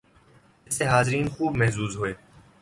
جس سے حاضرین خوب محظوظ ہوئے